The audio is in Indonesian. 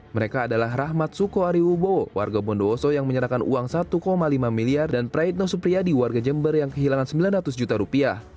mereka adalah rahmat sukoariwubo warga bondowoso yang menyerahkan uang satu lima miliar dan praetno supriyadi warga jember yang kehilangan sembilan ratus juta rupiah